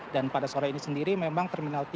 dan pada sore ini sendiri memang terminal tiga